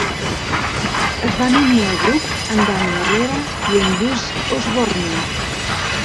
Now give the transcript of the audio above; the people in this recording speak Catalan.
Es van unir al grup en Danny Herrera i en Buzz Osborne.